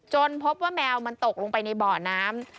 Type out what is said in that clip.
พบว่าแมวมันตกลงไปในบ่อน้ำ